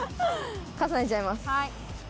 重ねちゃいます。